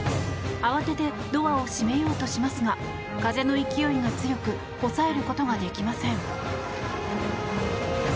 慌ててドアを閉めようとしますが風の勢いが強く押さえることができません。